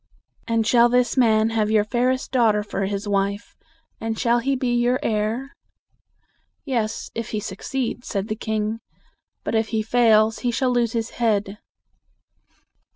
"And shall this man have your fairest daughter for his wife, and shall he be your heir?" "Yes, if he suc ceeds," said the king. "But if he fails, he shall lose his head."